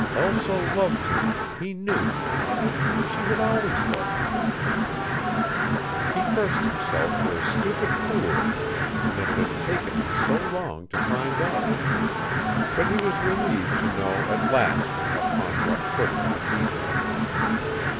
Elsa loved him, he knew now, and she had always loved him. He cursed himself for a stupid fool in that it had taken him so long to find out, but he was relieved to know at last upon what footing to meet her.